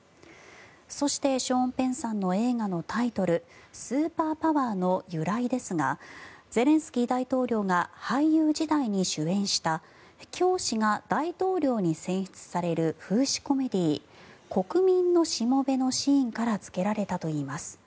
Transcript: そして、ショーン・ペンさんの映画のタイトル「スーパーパワー」の由来ですがゼレンスキー大統領が俳優時代に主演した教師が大統領に選出される風刺コメディー「国民の僕」のシーンからつけられたといいます。